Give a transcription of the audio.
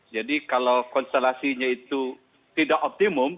jadi kalau konstelasinya itu tidak optimalnya